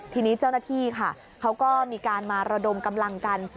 ทีนี้เจ้าหน้าที่ค่ะเขาก็มีการมาระดมกำลังกัน